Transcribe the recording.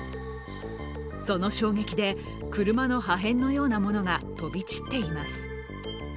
その衝撃で車の破片のようなものが飛び散っています。